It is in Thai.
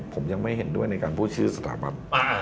ผมยังไม่เห็นด้วยในการพูดชื่อสถาบัน